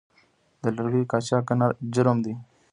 د لرګیو قاچاق جرم دی